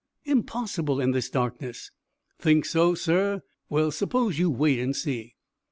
Impossible in this darkness." "Think so, sir? Well, suppose you wait and see."